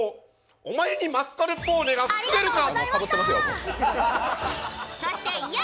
おまえにマスカルポーネが救えるか。